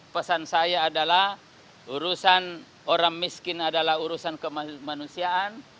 pesan saya adalah urusan orang miskin adalah urusan kemanusiaan